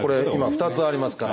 ２つありますから。